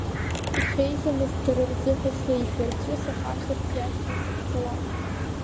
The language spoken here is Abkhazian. Иҽеимызт дара рзыҳәа слеишәа, рҵәы сахарҵарц иашьҭан сахьцалак.